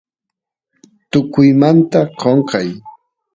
tukuymamnta qonqay